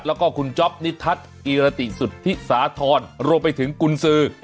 แล้วก็คุณจ๊อปนิทัศน์กิรติสุธิสาธรณ์รวมไปถึงกุญสือ